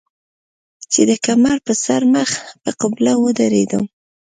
چې د کمر پۀ سر مخ پۀ قبله ودرېدم